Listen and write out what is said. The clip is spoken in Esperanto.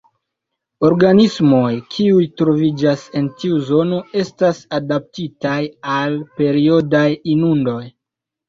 Organismoj kiuj troviĝas en tiu zono estas adaptitaj al periodaj inundoj.